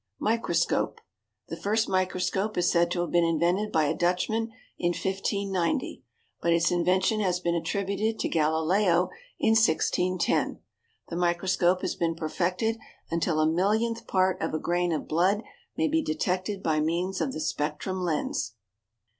=Microscope.= The first microscope is said to have been invented by a Dutchman in 1590, but its invention has been attributed to Galileo in 1610. The microscope has been perfected until a millionth part of a grain of blood may be detected by means of the spectrum lens.